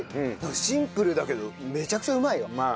シンプルだけどめちゃくちゃうまいよ。